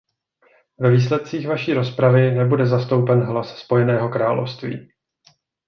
Ve výsledcích vaší rozpravy nebude zastoupen hlas Spojeného království.